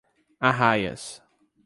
Arraias